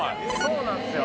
そうなんですよ。